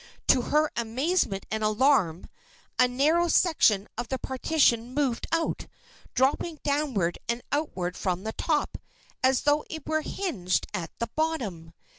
To her amazement and alarm, a narrow section of the partition moved out, dropping downward and outward from the top, as though it were hinged at the bottom.